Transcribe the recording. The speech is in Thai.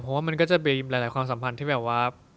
เพราะว่ามันก็จะมีหลายความสัมพันธ์ที่แบบว่า